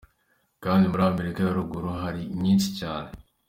Kandi muri Amerika ya ruguru hari nyinshi cyane.